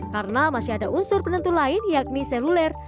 karena masih ada unsur penentu lain yakni seluler